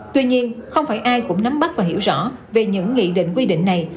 tuy nhiên không phải ai cũng nắm bắt và hiểu rõ về những nghị định quy định này